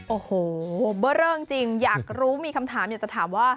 โอ้โหเบอร์เรอจริงอยากรู้มีคำถามอยากจะถามว่า